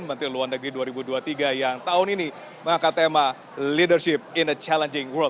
menteri luar negeri dua ribu dua puluh tiga yang tahun ini mengangkat tema leadership in the challenging world